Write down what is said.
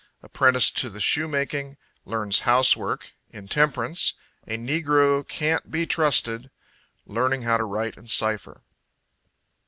Apprenticed to the shoe making Learns housework Intemperance "A negro can't be trusted" Learning how to write and cipher.